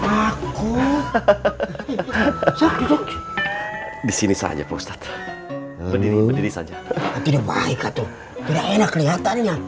aku sakit disini saja postat berdiri berdiri saja tidak baik atau tidak enak kelihatannya